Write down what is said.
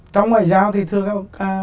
trong ngoại giao thì thưa các